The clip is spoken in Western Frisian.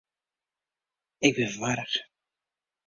Ik bin warch.